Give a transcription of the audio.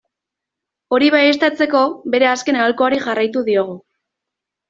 Hori baieztatzeko, bere azken aholkuari jarraitu diogu.